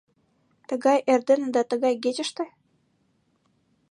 — Тыгай эрдене да тыгай гечыште?